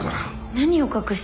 何を隠してるの？